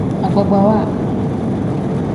Agbagbawa.